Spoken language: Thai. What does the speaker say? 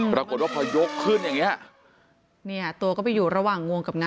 ปรากฏว่าพอยกขึ้นอย่างเงี้ยเนี่ยตัวก็ไปอยู่ระหว่างงวงกับงา